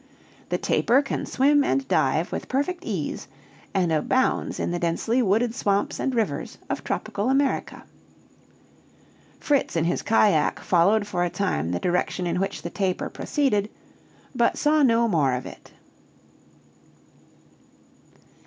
The tapir can swim and dive with perfect ease, and abounds in the densely wooded swamps and rivers of tropical America. Fritz in his cajack followed for a time the direction in which the tapir proceeded, but saw no more of it.